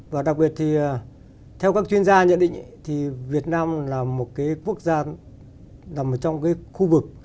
và đặc biệt thì theo các chuyên gia nhận định thì việt nam là một cái quốc gia nằm ở trong cái khu vực